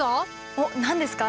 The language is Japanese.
おっ何ですか？